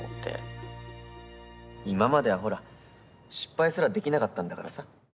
今まではほら失敗すらできなかったんだからさ。